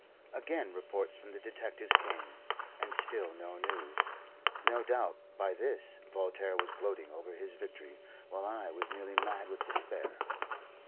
Again reports from the detectives came, and still no news. No doubt, by this, Voltaire was gloating over his victory, while I was nearly mad with despair.